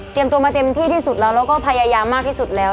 ตัวมาเต็มที่ที่สุดแล้วแล้วก็พยายามมากที่สุดแล้ว